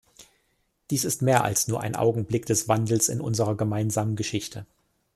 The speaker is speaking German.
Dies ist mehr als nur ein Augenblick des Wandels in unserer gemeinsamen Geschichte.